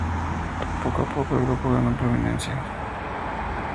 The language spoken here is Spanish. Poco a poco el grupo ganó prominencia.